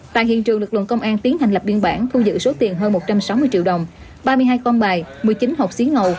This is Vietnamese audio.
tại hiện trường lực lượng công an tiến hành lập biên bản thu giữ số tiền hơn một trăm sáu mươi triệu đồng ba mươi hai con bài một mươi chín hộp xí ngầu